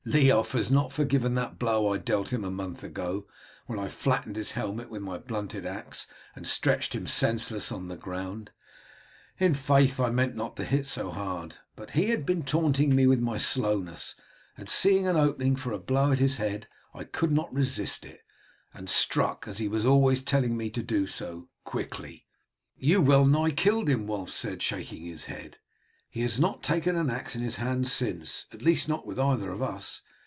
"Leof has not forgiven that blow I dealt him a month ago, when I flattened in his helmet with my blunted axe and stretched him senseless on the ground; in faith, I meant not to hit so hard, but he had been taunting me with my slowness, and seeing an opening for a blow at his head I could not resist it, and struck, as he was always telling me to do, quickly." "You well nigh killed him," Wulf said, shaking his head; "he has not taken an axe in his hand since, at least not with either of us.